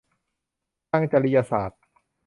ทางจริยศาสตร์